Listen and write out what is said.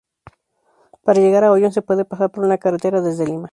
Para llegar a Oyón se puede pasar por una carretera desde Lima.